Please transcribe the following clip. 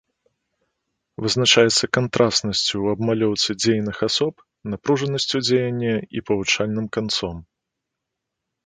Вызначаецца кантрастнасцю ў абмалёўцы дзейных асоб, напружанасцю дзеяння і павучальным канцом.